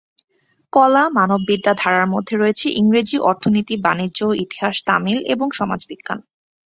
কলা/মানববিদ্যা ধারার মধ্যে রয়েছে ইংরেজি, অর্থনীতি, বাণিজ্য, ইতিহাস, তামিল এবং সমাজবিজ্ঞান।